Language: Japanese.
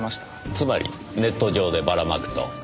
つまりネット上でばらまくと？